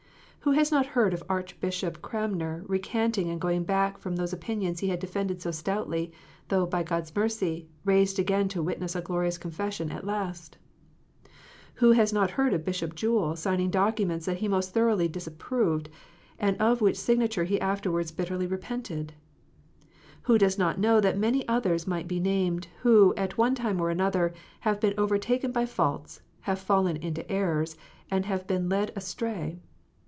Who has not heard of Archbishop Cranmer recanting and going back from those opinions he had defended so stoutly, though, by God s mercy, raised again to witness a glorious confession at last 1 Who has not heard of Bishop Jewel signing documents that he most thoroughly disapproved, and of which signature he afterwards bitterly repented 1 Who does not know that many others might be named, who, at one time or another, have been overtaken by faults, have fallen into errors, and been led astray